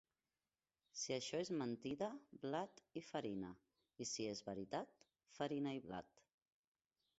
Si això és mentida, blat i farina; i si és veritat, farina i blat.